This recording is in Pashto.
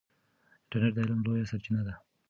انټرنیټ د علم لویه سرچینه ده.